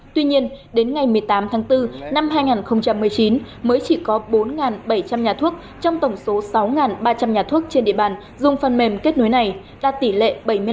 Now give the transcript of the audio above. tuy nhiên đến ngày một mươi tám tháng bốn năm hai nghìn một mươi chín mới chỉ có bốn bảy trăm linh nhà thuốc trong tổng số sáu ba trăm linh nhà thuốc trên địa bàn dùng phần mềm kết nối này đạt tỷ lệ bảy mươi năm